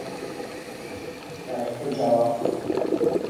"Obchodził ich w milczeniu."